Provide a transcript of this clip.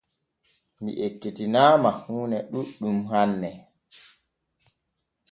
Mi ekkitinaama huune ɗuuɗɗum hanne.